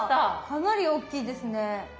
かなり大きいですね。